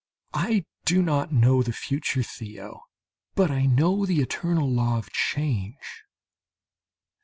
I do not know the future, Theo; but I know the eternal law of change.